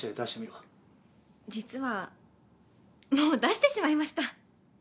実はもう出してしまいました。